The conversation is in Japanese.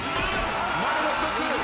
前の１つ。